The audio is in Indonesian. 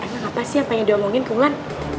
ada apa sih yang pengen diomongin ke wulan